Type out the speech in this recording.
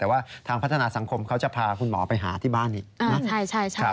แต่ว่าทางพัฒนาสังคมเขาจะพาคุณหมอไปหาที่บ้านอีกนะ